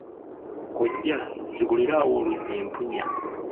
Kojja nzigulirawo oluggi mpunya.